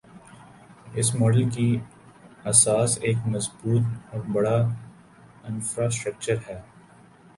اس model کی اساس ایک مضبوط اور بڑا انفراسٹرکچر ہے۔